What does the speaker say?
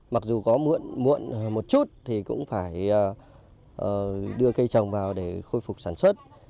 mặc dù có muộn một chút thì cũng phải đưa cây trồng vào để khôi phục sản xuất